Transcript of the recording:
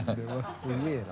すげえな。